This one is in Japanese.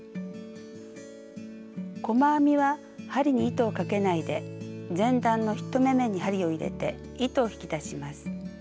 細編みは針に糸をかけないで前段の１目めに針を入れて糸を引き出します。